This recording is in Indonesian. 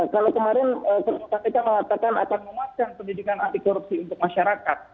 kalau kemarin kpk melakukan atau memuatkan pendidikan antikorupsi untuk masyarakat